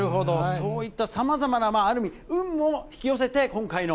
そういったさまざまな、ある意味、運も引き寄せて、今回の。